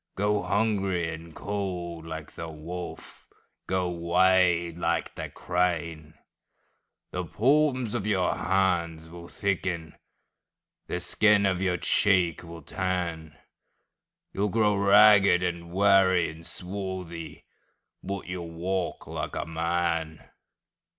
Go hungry and cold like the wolf, Go wade like the crane:The palms of your hands will thicken, The skin of your cheek will tan, You 'll grow ragged and weary and swarthy, But you 'll walk like a man!